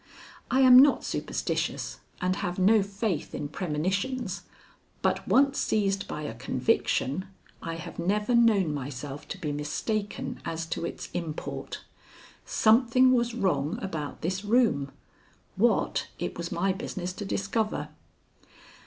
I am not superstitious and have no faith in premonitions, but once seized by a conviction, I have never known myself to be mistaken as to its import. Something was wrong about this room what, it was my business to discover.